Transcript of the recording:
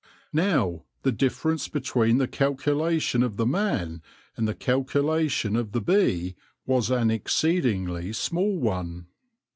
Now, the difference between the calculation of the man and the calculation of the bee was an exceed ingly small one.